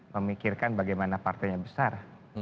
memikirkan bagaimana partainya besar